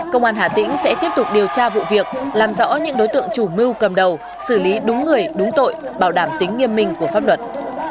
công an hà tĩnh sẽ tiếp tục điều tra vụ việc làm rõ những đối tượng chủ mưu cầm đầu xử lý đúng người đúng tội bảo đảm tính nghiêm minh của pháp luật